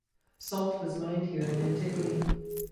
Salt was mined here in antiquity.